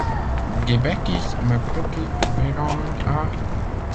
Des bêtises, ma petite Vérand’a…